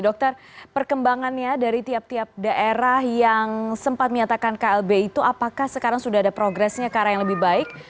dokter perkembangannya dari tiap tiap daerah yang sempat menyatakan klb itu apakah sekarang sudah ada progresnya ke arah yang lebih baik